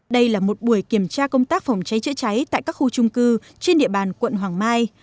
đây là một buổi kiểm tra công tác phòng cháy chữa cháy tại các khu trung cư trên địa bàn quận hoàng mai